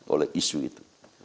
oleh isu itu